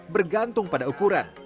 bergantung pada ukuran